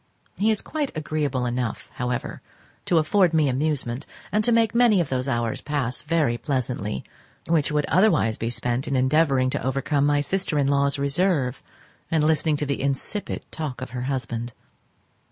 He is quite agreeable enough, however, to afford me amusement, and to make many of those hours pass very pleasantly which would otherwise be spent in endeavouring to overcome my sister in law's reserve, and listening to the insipid talk of her husband.